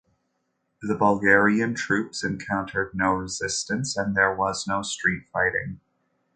The Bulgarian troops encountered no resistance and there was no street fighting.